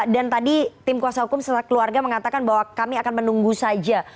tadi tim kuasa hukum keluarga mengatakan bahwa kami akan menunggu saja